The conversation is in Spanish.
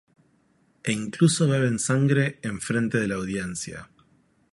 E incluso beben sangre en frente de la audiencia.